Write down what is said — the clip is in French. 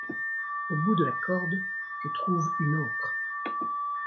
Au bout de la corde je trouve une ancre !...